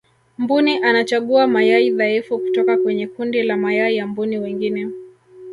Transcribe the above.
mbuni anachagua mayai dhaifu kutoka kwenye kundi la mayai ya mbuni wengine